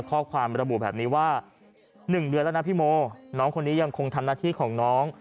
ข้อความระบุแบบนี้ว่า๑เดือนแล้วนะพี่โมน้องคนนี้ยังคงทำหน้าที่ของน้อง